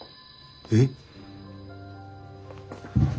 えっ？